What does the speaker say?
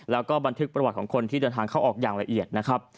แล้วก็บันทึกประวัติของคนที่เดินทางเข้าออกอย่างละเอียดนะครับ